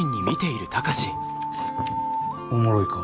おもろいか？